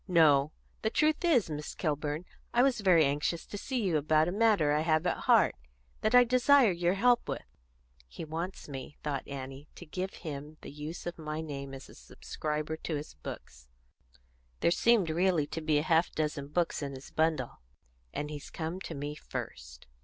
"No. The truth is, Miss Kilburn, I was very anxious to see you about a matter I have at heart that I desire your help with." "He wants me," Annie thought, "to give him the use of my name as a subscriber to his book" there seemed really to be a half dozen books in his bundle "and he's come to me first."